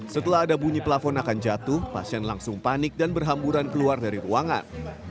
setelah ada bunyi pelafon akan jatuh pasien langsung panik dan berhamburan keluar dari ruangan